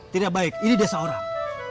tidak baik ini desa orang